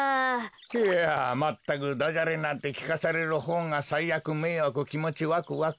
いやまったくダジャレなんてきかされるほうがさいあくめいわくきもちワクワク。